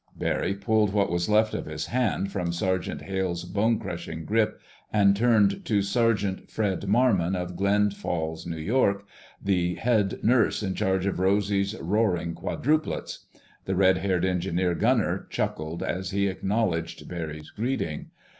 Barry pulled what was left of his hand from Sergeant Hale's bone crushing grip and turned to "Sergeant Fred Marmon of Glens Falls, New York—the head nurse in charge of Rosy's roaring quadruplets." The red haired engineer gunner chuckled as he acknowledged Barry's greeting.